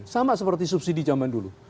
sama seperti subsidi zaman dulu